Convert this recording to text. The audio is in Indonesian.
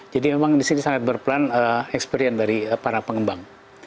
jadi memang disini sangat berperan experience dari para pengembang